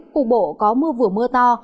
cuộc bộ có mưa vừa mưa to